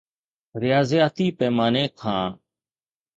رياضياتي پيماني کان